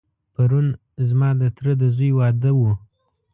پرون ځما دتره دځوی واده و.